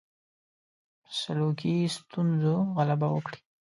سلوکي ستونزو غلبه وکړي.